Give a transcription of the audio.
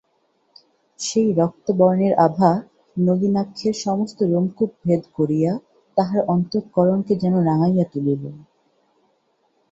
সেই রক্তবর্ণের আভা নলিনাক্ষের সমস্ত রোমকূপ ভেদ করিয়া তাহার অন্তঃকরণকে যেন রাঙাইয়া তুলিল।